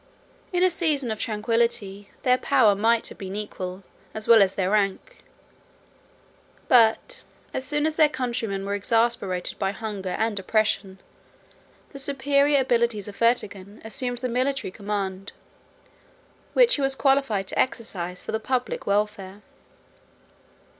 In a season of tranquility, their power might have been equal, as well as their rank; but, as soon as their countrymen were exasperated by hunger and oppression, the superior abilities of Fritigern assumed the military command, which he was qualified to exercise for the public welfare.